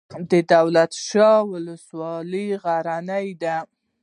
د دولت شاه ولسوالۍ غرنۍ ده